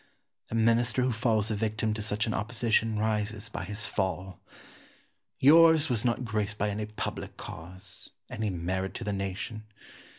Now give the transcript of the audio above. A Minister who falls a victim to such an opposition rises by his fall. Yours was not graced by any public cause, any merit to the nation.